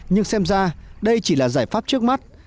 nhưng xem ra đây chỉ là giải pháp trước mắt